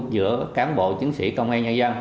giữa cán bộ chứng sĩ công an nhân dân